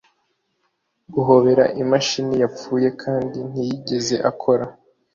Guhobera imashini yapfuye kandi ntiyigeze akora